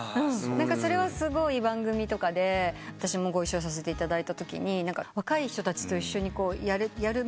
それはすごい番組とかで私もご一緒させていただいたときに若い人たちと一緒にやる。